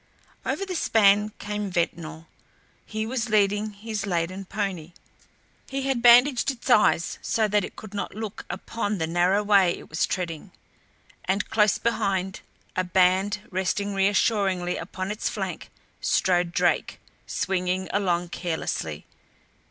Over the span came Ventnor. He was leading his laden pony. He had bandaged its eyes so that it could not look upon the narrow way it was treading. And close behind, a hand resting reassuringly upon its flank, strode Drake, swinging along carelessly.